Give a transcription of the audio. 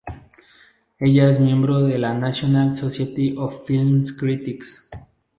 Ella es miembro de la National Society of Film Critics.